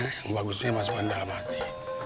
yang bagusnya masukkan ke dalam hati